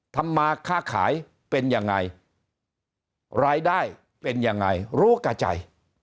ทำมาค่าขายเป็นยังไงรายได้เป็นยังไงรู้กับใจ